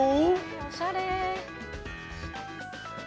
おしゃれ。